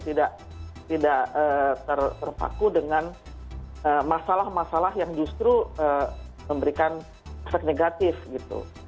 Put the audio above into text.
tidak terpaku dengan masalah masalah yang justru memberikan efek negatif gitu